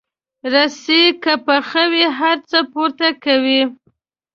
رسۍ که پخه وي، هر څه پورته کوي.